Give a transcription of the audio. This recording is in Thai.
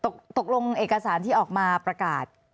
ตกลงเอกสารที่ออกมาประกาศ